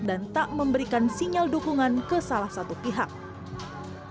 dan tak memberikan sinyal dukungan ke salah satu pihak